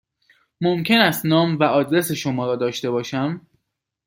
ممکن است نام و آدرس شما را داشته باشم؟